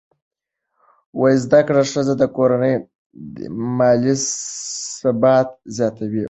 زده کړه ښځه د کورنۍ مالي ثبات زیاتوي.